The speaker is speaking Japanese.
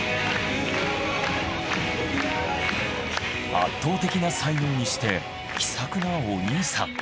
圧倒的な才能にして気さくなお兄さん。